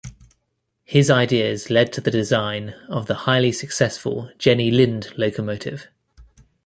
His ideas led to the design of the highly successful Jenny Lind locomotive.